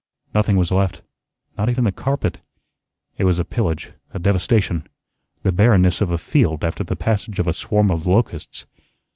Nothing was left, not even the carpet. It was a pillage, a devastation, the barrenness of a field after the passage of a swarm of locusts.